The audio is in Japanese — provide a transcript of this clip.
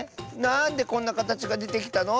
なんでこんなかたちがでてきたの？